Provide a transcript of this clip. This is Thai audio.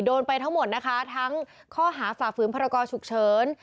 โดนไปทั้งหมดนะคะทั้งข้อหาฝ่าฝืนพรกรฉุกเฉิน